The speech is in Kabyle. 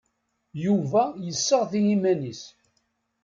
Yuba yesseɣti iman-is.